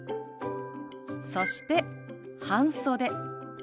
そして「半袖」。